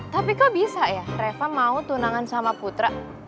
tapi kok bisa ya reva mau tunangan sama putra